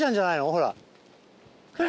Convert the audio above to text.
ほら。